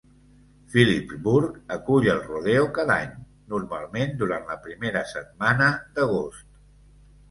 Phillipsburg acull el rodeo cada any, normalment durant la primera setmana d'agost.